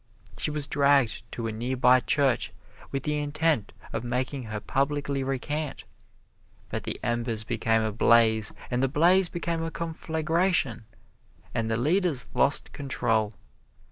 She was dragged to a near by church with the intent of making her publicly recant, but the embers became a blaze, and the blaze became a conflagration, and the leaders lost control.